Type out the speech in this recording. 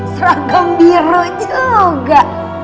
seragam biru juga